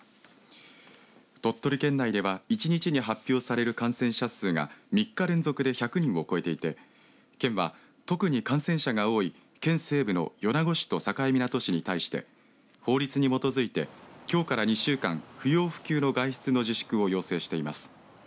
鳥取県内では１日に発表される感染者数が３日連続で１００人を超えていて県は、特に感染者が多い県西部の米子市と境港市に対して法律に基づいてきょうから２週間不要不急の外出の自粛を要請しています。